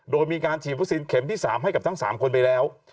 โดยมีการฉีดวัคซีนเข็มที่๓ให้กับทั้ง๓คนไปแล้ว